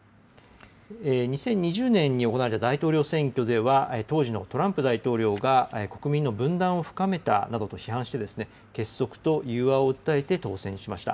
２０２０年に行われた大統領選挙では、当時のトランプ大統領が国民の分断を深めたなどと批判して、結束と融和を訴えて当選しました。